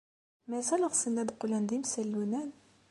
Mazal ɣsen ad qqlen d imsallunen?